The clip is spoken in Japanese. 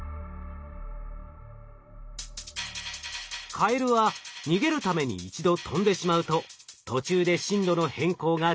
カエルは逃げるために一度飛んでしまうと途中で進路の変更ができません。